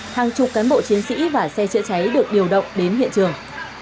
hàng chục cán bộ chiến sĩ và xe chữa cháy được điều động đến hiện trường